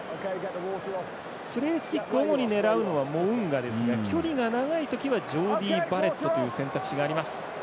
プレースキック主に狙うのはモウンガですが距離が長い時はジョーディー・バレットという選択肢があります。